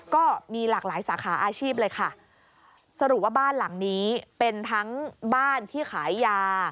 ก็มีหลากหลายสาขาอาชีพเลยค่ะสรุปว่าบ้านหลังนี้เป็นทั้งบ้านที่ขายยา